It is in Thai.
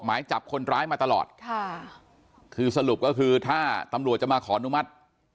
หมายจับคนร้ายมาตลอดค่ะคือสรุปก็คือถ้าตำรวจจะมาขออนุมัติ